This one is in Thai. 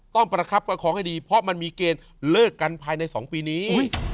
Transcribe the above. ประคับประคองให้ดีเพราะมันมีเกณฑ์เลิกกันภายใน๒ปีนี้